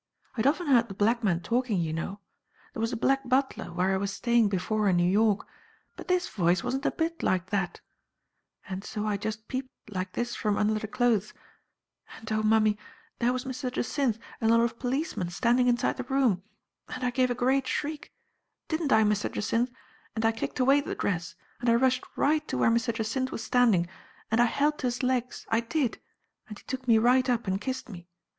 I'd often heard the black men talking, you know. There was a black butler where I was staying before in New York, but this voice wasn't a bit like that ; and so I just peeped, like this, from under the clothes; and, oh, mummy, there was Mr. Jacynth and a lot of policemen standing inside the room, and I gave a great shriek — didn't I, Mr. Jacynth? and I kicked away the dress, and I rushed right to where Mr. Jacynth was stand ing, and I held to his legs — I did ; and he took me right up and kissed me.